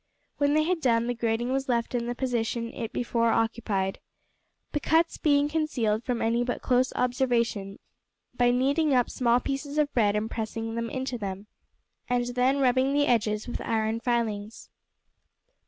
When they had done, the grating was left in the position it before occupied, the cuts being concealed from any but close observation by kneading up small pieces of bread and pressing them into them, and then rubbing the edges with iron filings.